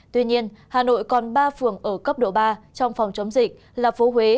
tuy nhiên hà nội còn ba phường ở cấp độ ba trong phòng chống dịch là phố huế